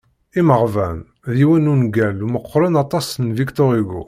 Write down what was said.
"Imeɣban" d yiwen n wungal meqqren aṭas n Victor Hugo.